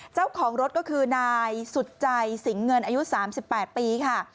เจ้าของรถก็คือนายสุดใจสิงเงินอายุ๓๘ปีค่ะ